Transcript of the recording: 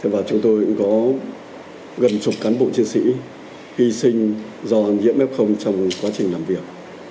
và chúng tôi cũng có gần chục cán bộ chiến sĩ hy sinh do nhiễm f trong quá trình làm việc